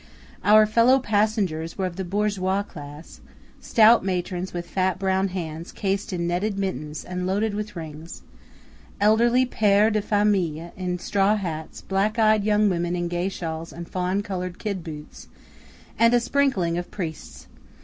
Our fellow passengers were of the bourgeois class–stout matrons with fat brown hands cased in netted mittens and loaded with rings; elderly péres de famille in straw hats; black eyed young women in gay shawls and fawn coloured kid boots; and a sprinkling of priests.